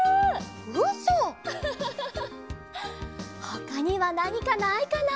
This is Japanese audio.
ほかにはなにかないかな。